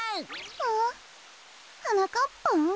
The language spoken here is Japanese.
はなかっぱん？